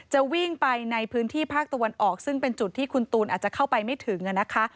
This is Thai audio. จะวิ่งไปในพื้นที่ภาคตะวันออกซึ่งเป็นจุดที่คุณตูนอาจจะเข้าไปไม่ถึงนะคะ